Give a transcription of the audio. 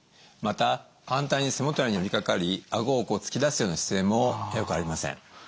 また反対に背もたれに寄りかかりあごをこう突き出すような姿勢もよくありません。